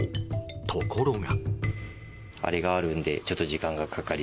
ところが。